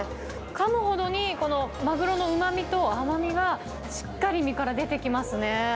かむほどにマグロのうまみと甘みがしっかり身から出てきますね。